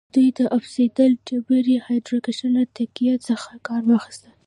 دوی د اوبسیدیان ډبرې هایدرېشن له تکتیک څخه کار واخیست